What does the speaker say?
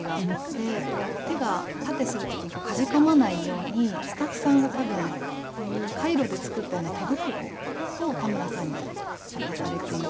でこう手が殺陣する時にかじかまないようにスタッフさんが多分こういうカイロで作ったような手袋を田村さんに渡されていて。